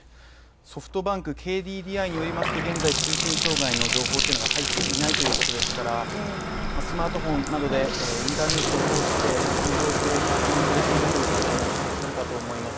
ソフトバンク、ＫＤＤＩによりますと通信障害の情報は入っていないということですからスマートフォンなどでインターネットを通して地震の情報を確認されている方もいらっしゃるかと思います。